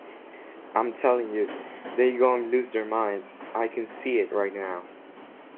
I'm tellin' you, they gon' lose their minds; I can see it right now.